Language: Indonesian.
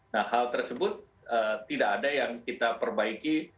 nah hal tersebut tidak ada yang kita perbaiki